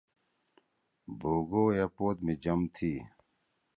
بوگو اے پوت می جم تھی۔